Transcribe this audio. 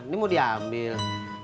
ini mau diambil